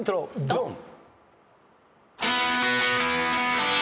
ドン！